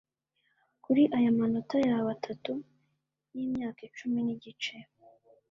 Kuri aya manota yawe atatu yimyaka icumi nigice